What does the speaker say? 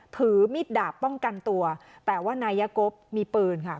ถือมีดดาบป้องกันตัวแต่ว่านายกบมีปืนค่ะ